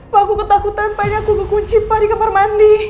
pak aku ketakutan kayak aku gak kunci pak di kamar mandi